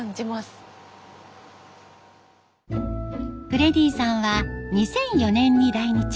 フレディさんは２００４年に来日。